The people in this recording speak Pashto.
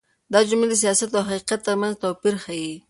دا جملې د سياست او حقيقت تر منځ توپير ښيي.